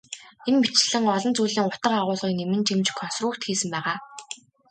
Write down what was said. Энэ мэтчилэн олон зүйлийн утга агуулгыг нэмэн чимж консрукт хийсэн байгаа.